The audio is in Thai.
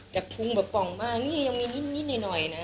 จะปรุงแบบกล่องมากนี่ยังมีนิดหน่อยนะ